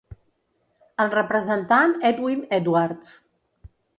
El representant Edwin Edwards.